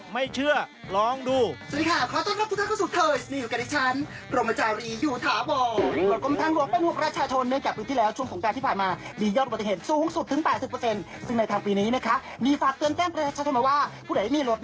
ไม่เชื่อลองดู